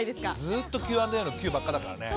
ずっとＱ＆ＡのＱばっかだからね。